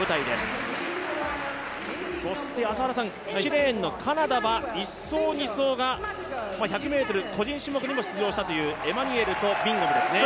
１レーンのカナダは１走、２走が１００ｍ個人種目にも出場したというエマニュエルとビンガムですね。